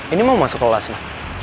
ini mau masuk kelas ma